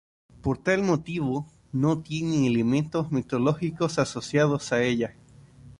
Por tal motivo, no tiene elementos mitológicos asociados a ella.